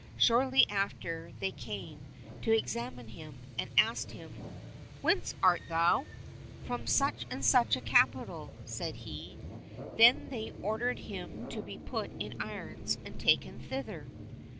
Shortly after they came to examine him, and asked him, " Whence art thou ?"—" From such and such a capital," said he. Then they ordered him to be put in irons and taken thither.